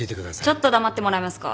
ちょっと黙ってもらえますか？